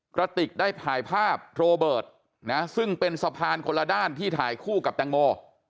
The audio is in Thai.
กระติกได้ถ่ายภาพโรเบิร์ตนะซึ่งเป็นสะพานคนละด้านที่ถ่ายคู่กับแตงโม